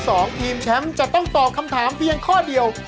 ตรวจจำพี่แชมป์จะต้องตอบคำถามเพียงข้อเดียว